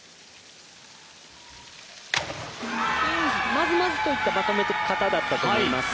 まずまずといったまとめ方だったと思います。